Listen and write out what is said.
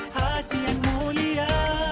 hati yang mulia